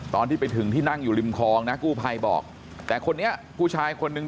ตอนที่ไปถึงที่นั่งอยู่ริมคลองนะกู้ภัยบอกแต่คนนี้ผู้ชายคนนึง